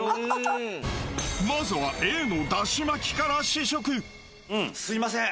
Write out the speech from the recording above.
まずはＡのだし巻きからすいません